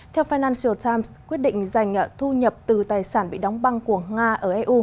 theo fanncial times quyết định dành thu nhập từ tài sản bị đóng băng của nga ở eu